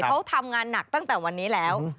เขาทำงานหนักตั้งแต่วันนี้แล้ว